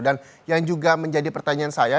dan yang juga menjadi pertanyaan saya